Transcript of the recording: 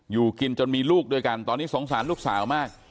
อยู่กินจนมีลูกด้วยกันตอนนี้สงสารลูกสาวมาก